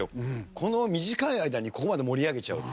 この短い間にここまで盛り上げちゃうって。